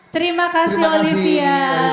terima kasih olivia